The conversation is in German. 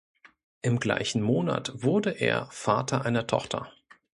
Im gleichen Monat wurde er Vater einer Tochter.